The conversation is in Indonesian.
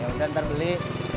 yaudah ntar beli